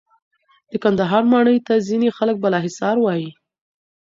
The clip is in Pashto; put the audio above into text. د کندهار ماڼۍ ته ځینې خلک بالاحصار وایې.